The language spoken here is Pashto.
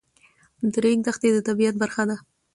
د ریګ دښتې د طبیعت برخه ده.